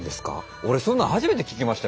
俺そんなん初めて聞きましたよ。